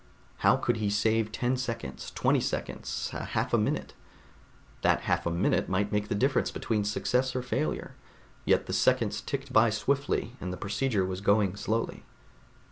How could he save ten seconds, twenty seconds, a half a minute? That half a minute might make the difference between success or failure, yet the seconds ticked by swiftly and the procedure was going slowly.